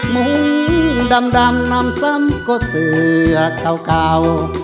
มุ่งดำดำนำซ้ำก็เสือเก่าเก่า